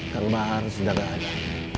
kelebaran sudah gak ada